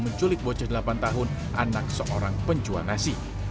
menculik bocah delapan tahun anak seorang penjual nasi